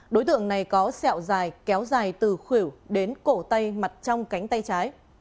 đối tượng này có xẹo dài kéo dài từ khủyểu đến cổ tay mặt trong cánh tay trái